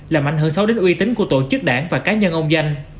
làm ảnh hưởng sâu đến uy tín của tổ chức đảng và cá nhân ông danh